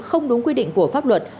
không đúng quy định của pháp luật